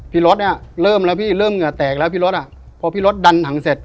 พี่รถอ่ะเริ่มแล้วพี่เริ่มเหงื่อแตกแล้วพี่รถอ่ะพอพี่รถดันถังเสร็จ